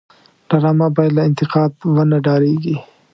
ډرامه باید له انتقاد ونه وډاريږي